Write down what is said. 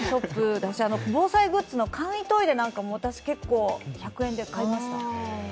だし防災グッズの簡易トイレなんかも１００円で買いました。